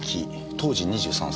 当時２３歳。